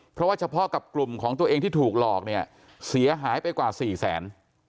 เพราะว่าเฉพาะกับกลุ่มของตัวเองที่ถูกหลอกเนี่ยเสียหายไปกว่าสี่แสน